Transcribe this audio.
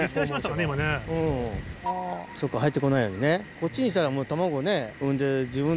こっちにしたらもう。